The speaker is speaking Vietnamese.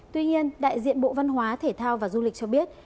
tuy nhiên đại diện bộ văn hóa thể thao và du lịch cho biết